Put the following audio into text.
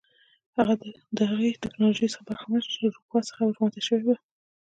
د هغې ټکنالوژۍ څخه برخمن شول چې له اروپا څخه ور ماته شوې وه.